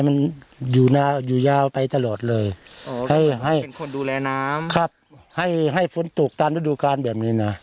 เป็นคนดูแลน้ำครับให้ให้ฟ้นตุกตามฤดูการณ์แบบนี้น่ะ